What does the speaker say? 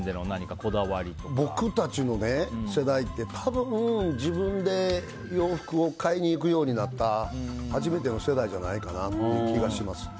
僕たちの世代って多分、自分で洋服を買いに行くようになった初めての世代じゃないかなって気がします。